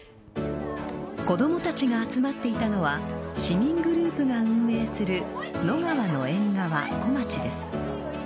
子供たちが集まっていたのは市民グループが運営する野川のえんがわこまちです。